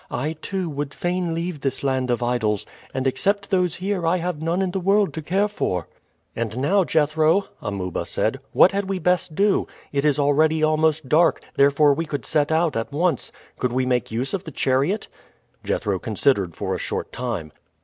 I, too, would fain leave this land of idols; and except those here I have none in the world to care for." "And now, Jethro," Amuba said, "what had we best do? It is already almost dark, therefore we could set out at once. Could we make use of the chariot?" Jethro considered for a short time.